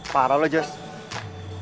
parah lo jess